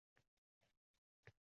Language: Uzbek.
Endi volidasi kino boshlandi